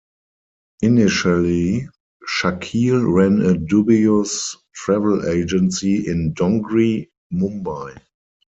Initially Shakeel ran a dubious travel agency in Dongri, Mumbai.